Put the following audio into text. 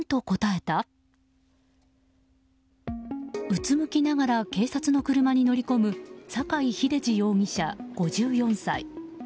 うつむきながら警察の車に乗り込む酒井秀次容疑者、５４歳。